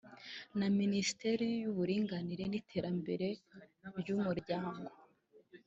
na Minisiteri y’Uburinganire n’Iterambere ry’Umuryango